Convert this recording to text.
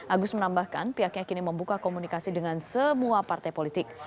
agus menambahkan pihaknya kini membuka komunikasi dengan semua partai politik